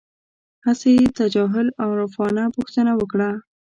هسې یې تجاهل العارفانه پوښتنه وکړه.